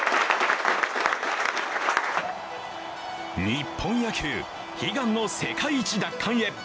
日本野球、悲願の世界一奪還へ。